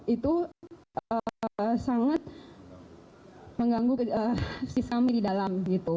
itu sangat mengganggu si kami di dalam